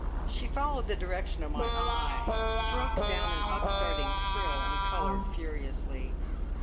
She followed the direction of my eye, stroked down an upstarting frill, and coloured furiously.